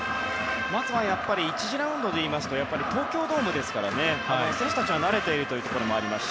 まずはやっぱり１次ラウンドで言いますと東京ドームですから選手たちが慣れているというところもあります